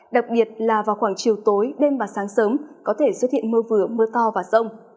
đặc biệt là vào khoảng chiều tối đêm và sáng sớm có thể xuất hiện mưa vừa mưa to và rông